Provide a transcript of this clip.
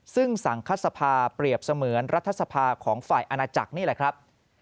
ซึ่งสังคสภาเปรียบเสมือนรัฐสภาของฝ่ายอาณาจักรนี่แหละครับ